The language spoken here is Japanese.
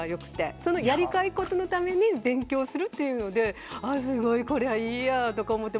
やりたいことのために勉強するというのでこれはいいやと思って。